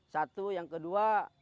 satu yang kedua